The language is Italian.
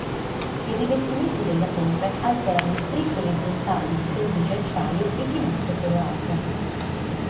Il rivestimento della torre alterna strisce orizzontali di semplice acciaio e finestre colorate.